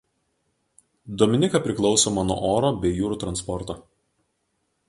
Dominika priklausoma nuo oro bei jūrų transporto.